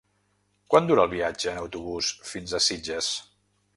Quant dura el viatge en autobús fins a Sitges?